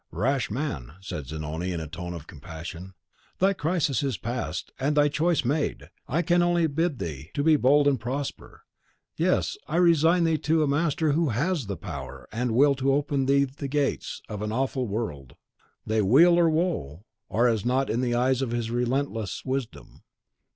"Rash man," said Zanoni, in a tone of compassion, "thy crisis is past, and thy choice made! I can only bid thee be bold and prosper; yes, I resign thee to a master who HAS the power and the will to open to thee the gates of an awful world. Thy weal or woe are as nought in the eyes of his relentless wisdom.